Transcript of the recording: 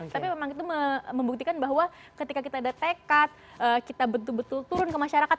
tapi memang itu membuktikan bahwa ketika kita ada tekad kita betul betul turun ke masyarakat